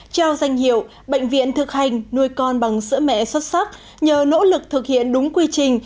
trao danh hiệu bệnh viện thực hành nuôi con bằng sữa mẹ xuất sắc nhờ nỗ lực thực hiện đúng quy trình